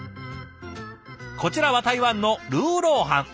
こちらは台湾のルーローハン。